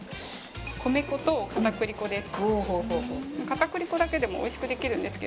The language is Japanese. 米粉と片栗粉です。